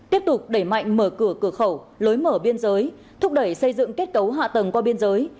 tiếp tục đẩy mạnh mở cửa cửa khẩu lối mở biên giới thúc đẩy xây dựng kết cấu hạ tầng qua biên giới